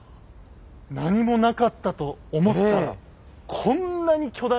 何もなかったと思ったらこんなに巨大な門が立ってた。